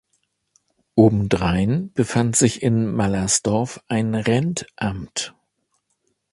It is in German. Obendrein befand sich in Mallersdorf ein Rentamt.